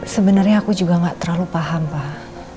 sebenarnya aku juga gak terlalu paham pak